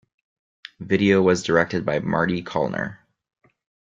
Video was directed by Marty Callner.